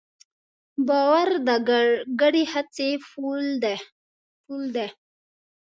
باور د ګډې هڅې پُل دی.